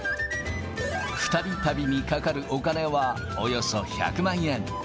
２人旅にかかるお金はおよそ１００万円。